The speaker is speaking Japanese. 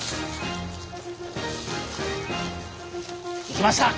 いきました！